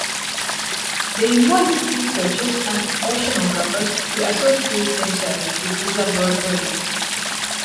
They invited researchers and oceanographers to associate themselves with this laboratory.